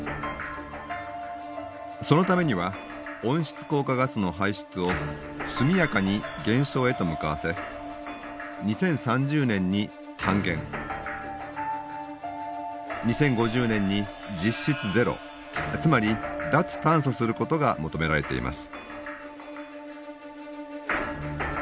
そのためには温室効果ガスの排出を速やかに減少へと向かわせ２０３０年に半減２０５０年に実質ゼロつまり脱炭素することが求められています。